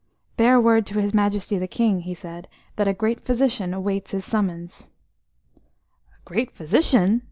"Bear word to his Majesty the King," he said, "that a great physician awaits his summons." "A great physician?"